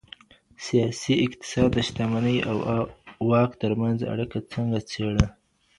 سياسي اقتصاد د شتمنۍ او واک ترمنځ اړيکه څنګه څېړي؟